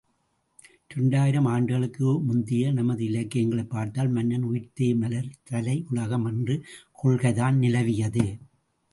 இரண்டாயிரம் ஆண்டுகளுக்கு முந்திய நமது இலக்கியங்களைப் பார்த்தால், மன்னன் உயிர்த்தே மலர் தலையுலகம் என்ற கொள்கைதான் நிலவியது.